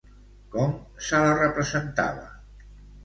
Com se la representava?